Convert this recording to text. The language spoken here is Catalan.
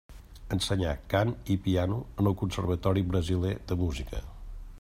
Ensenyà cant i piano en el Conservatori Brasiler de Música.